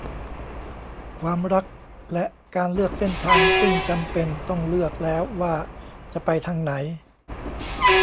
ความรักและการเลือกเส้นทางซึ่งจำเป็นต้องเลือกแล้วว่าจะไปทางไหน